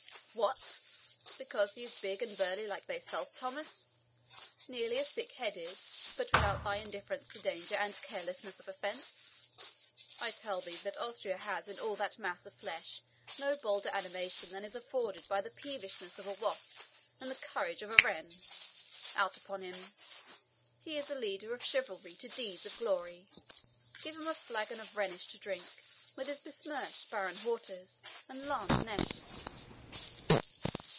"What! because he is big and burly like thyself, Thomas nearly as thick headed, but without thy indifference to danger and carelessness of offence? I tell thee that Austria has in all that mass of flesh no bolder animation than is afforded by the peevishness of a wasp and the courage of a wren. Out upon him! He a leader of chivalry to deeds of glory! Give him a flagon of Rhenish to drink with his besmirched baaren hauters and lance knechts."